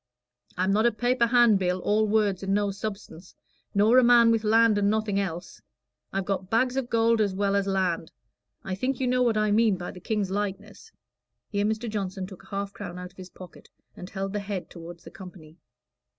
I'm not a paper handbill all words and no substance nor a man with land and nothing else; I've got bags of gold as well as land.' I think you know what I mean by the King's likeness." Here Mr. Johnson took a half crown out of his pocket and held the head toward the company.